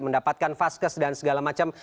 mendapatkan vaskes dan segala macam